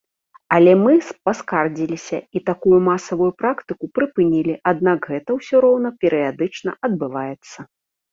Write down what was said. Але мы паскардзіліся, і такую масавую практыку прыпынілі, аднак гэта ўсё роўна перыядычна адбываецца.